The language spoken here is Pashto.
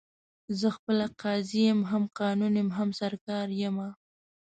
زه خپله قاضي یم، هم قانون یم، هم سرکار یمه